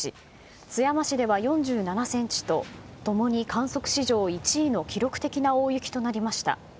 津山市では４７ｃｍと共に観測史上１位の記録的な大雪となりました。